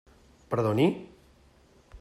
Perdoni?